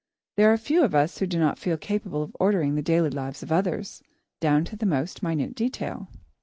There are few of us who do not feel capable of ordering the daily lives of others, down to the most minute detail.